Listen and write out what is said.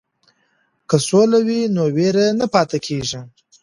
که سوله وي نو وېره نه پاتې کیږي.